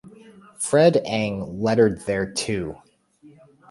Fred Eng lettered there, too.